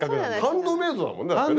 ハンドメイドだもんねだってね。